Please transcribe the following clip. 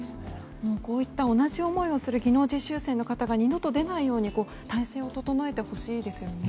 こういった同じ思いをする技能実習生の方が二度と出ないように体制を整えてほしいですね。